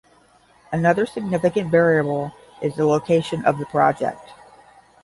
Another significant variable is the location of the project.